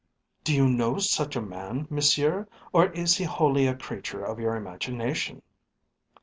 "Do you know such a man, Monsieur, or is he wholly a creature of your imagination?"